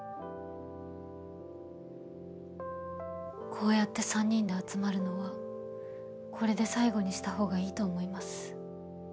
こうやって３人で集まるのはこれで最後にした方がいいと思います。